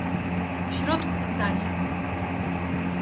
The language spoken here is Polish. "W środku zdania."